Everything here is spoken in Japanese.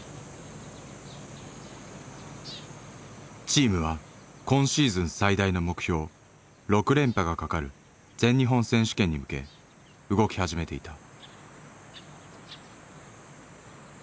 チームは今シーズン最大の目標６連覇がかかる全日本選手権に向け動き始めていた。